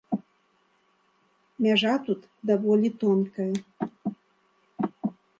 Мяжа тут даволі тонкая.